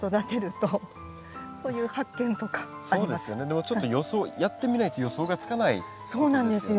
でもちょっとやってみないと予想がつかないってことですよね。